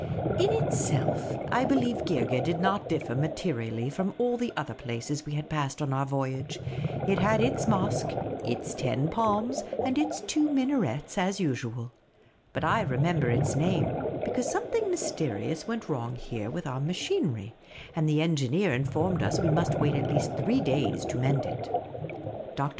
In itself, I believe, Geergeh did not differ materi ally from all the other places we had passed on our voyage ; it had its mosque, its ten palms, and its two minarets, as usual. But I remember its name, because something mys terious went wrong there with our machinery ; and the engineer informed us we nmst wait at least three days to mend it. Dr.